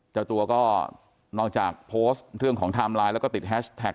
เจ้าตัวก็นอกจากโพสต์เรื่องของไทม์ไลน์แล้วก็ติดแฮชแท็ก